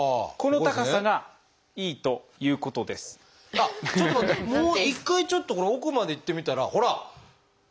あっちょっと待って一回ちょっと奥までいってみたらほら！